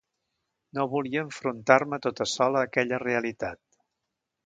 No volia enfrontar-me tota sola a aquella realitat.